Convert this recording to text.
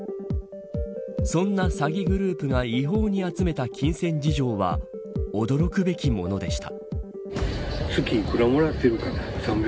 そんな詐欺グループが違法に集めた金銭事情は驚くべきものでした。